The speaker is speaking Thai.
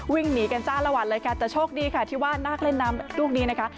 วิ่งหนีกันจ้าละวันเลยค่ะแต่โชคดีค่ะที่ว่านักเล่นน้ำลูกนี้นะคะ